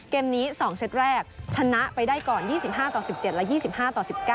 เกมนี้๒เซตแรกชนะไปได้ก่อน๒๕ต่อ๑๗และ๒๕ต่อ๑๙